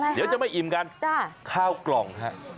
เดี๋ยวจะไม่อิ่มกันข้าวกล่องฮะ